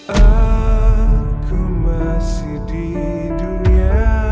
aku masih di dunia